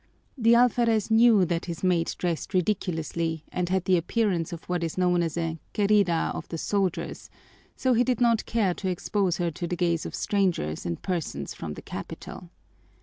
The alferez knew that his mate dressed ridiculously and had the appearance of what is known as a "querida of the soldiers," so he did not care to expose her to the gaze of strangers and persons from the capital.